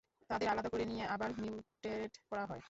তাদের আলাদা করে নিয়ে আবার মিউটেড করা হয়।